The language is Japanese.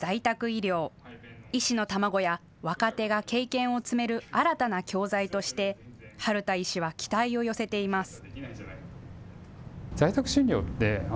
医師の卵や若手が経験を積める新たな教材として春田医師は期待を寄せています。